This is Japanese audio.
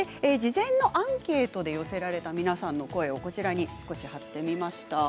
事前のアンケートで寄せられた皆さんの声をこちらに貼ってみました。